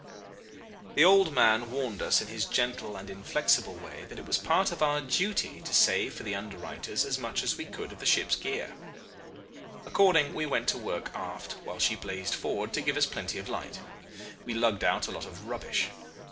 "The old man warned us in his gentle and inflexible way that it was part of our duty to save for the under writers as much as we could of the ship's gear. According we went to work aft, while she blazed forward to give us plenty of light. We lugged out a lot of rubbish.